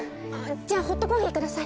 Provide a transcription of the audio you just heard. じゃあホットコーヒーください。